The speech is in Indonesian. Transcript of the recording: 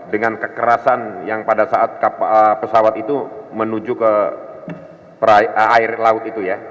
dengan kekerasan yang pada saat pesawat itu menuju ke air laut itu ya